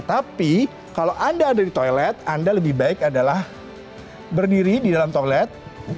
tapi kalau anda ada di toilet anda lebih baik adalah berdiri di dalam toilet